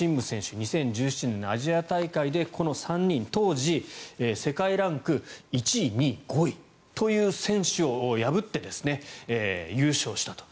２０１７年のアジア大会でこの３人、当時世界ランク１位、２位５位という選手を破って優勝したと。